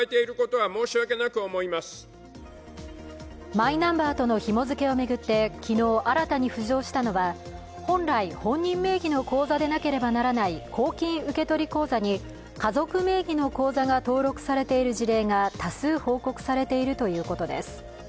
マイナンバーとのひも付けを巡って昨日、新たに浮上したのは本来、本人名義の口座でなければならない公金受取口座に家族名義の口座が登録されている事例が多数報告されているということです。